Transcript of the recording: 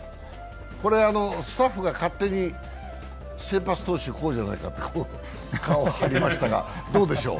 これはスタッフが勝手に先発投手、こうじゃないかと顔を貼りましたが、どうでしょう。